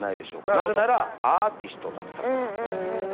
なぜならアーティストだったから。